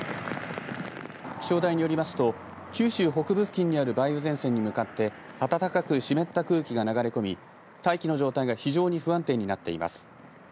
気象台によりますと九州北部付近にある梅雨前線に向かって暖かく湿った空気が流れ込み大気の状態が非常に不安定になっています。